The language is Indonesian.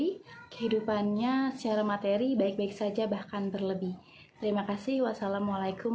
terima kasih kehidupannya secara materi baik baik saja bahkan berlebih terima kasih wassalamualaikum